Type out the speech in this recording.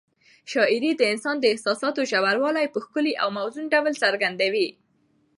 شاعري د انسان د احساساتو ژوروالی په ښکلي او موزون ډول څرګندوي.